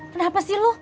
kenapa sih lu